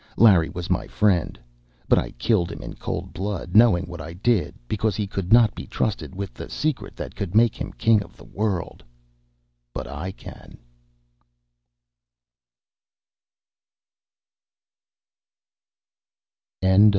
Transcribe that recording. Larry was my friend. But I killed him in cold blood, knowing what I did, because he could not be trusted with the secret that could make him king of the world. But I can.